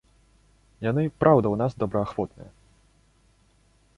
Яны, праўда, у нас добраахвотныя.